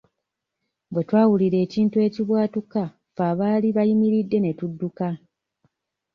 Bwe twawulira ekintu ekibwatuka ffe abaali bayimiridde ne tudduka.